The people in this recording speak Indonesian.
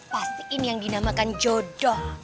pastiin yang dinamakan jodoh